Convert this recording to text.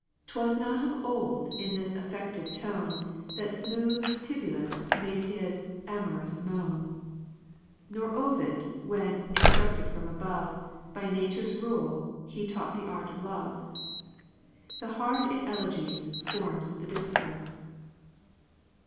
'Twas not of old in this affected tone That smooth Tibullus made his amorous moan; Nor Ovid, when, instructed from above, By nature's rule he taught the art of love. The heart in elegies forms the discourse.